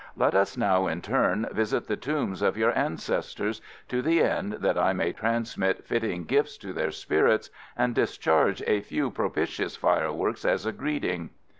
Let us now in turn visit the tombs of your ancestors, to the end that I may transmit fitting gifts to their spirits and discharge a few propitious fireworks as a greeting."